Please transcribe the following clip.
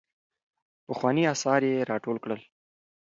پخواني اثار يې راټول کړل.